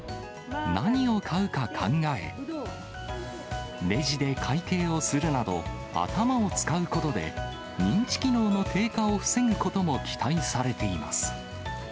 何を買うか考え、レジで会計をするなど頭を使うことで、認知機能の低下を防ぐことも期待されています。